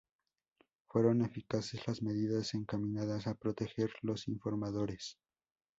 Fueron eficaces las medidas encaminadas a proteger los informadores.